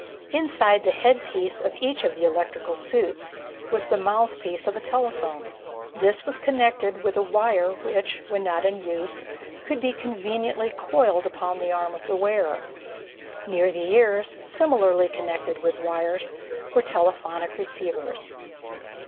Inside the headpiece of each of the electrical suits was the mouthpiece of a telephone. This was connected with a wire which, when not in use, could be conveniently coiled upon the arm of the wearer. Near the ears, similarly connected with wires, were telephonic receivers.